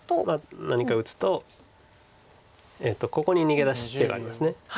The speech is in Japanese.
何か打つとここに逃げ出す手があります。